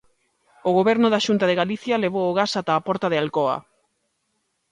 O Goberno da Xunta de Galicia levou o gas ata a porta de Alcoa.